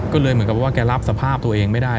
ก็เลยเหมือนกับว่าแกรับสภาพตัวเองไม่ได้